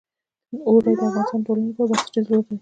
اوړي د افغانستان د ټولنې لپاره بنسټيز رول لري.